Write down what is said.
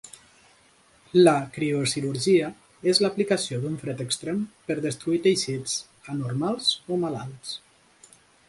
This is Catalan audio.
La criocirurgia és l'aplicació d'un fred extrem per destruir teixits anormals o malalts.